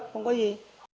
không có gì